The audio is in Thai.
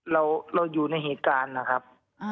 เราอยู่ในเหตุการณ์นะครับ